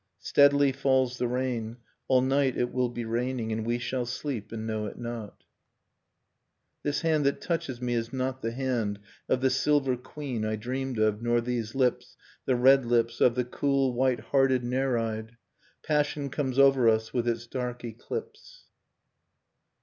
Steadily falls the rain, all night it w^ill be raining, And we shall sleep, and know it not. Episode in Grey This hand that touches me is not the hand Of the silver queen I dreamed of, nor these hps The red Hps of the cool white hearted nereid .. Passion comes over us with its dark eclipse.